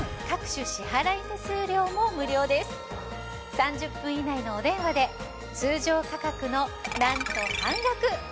３０分以内のお電話で通常価格のなんと半額。